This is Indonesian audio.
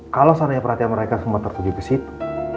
kalau seandainya perhatian mereka semua tertuju ke situ